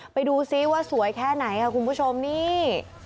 ไปดูซิว่าสวยแค่ไหนค่ะคุณผู้ชมนี่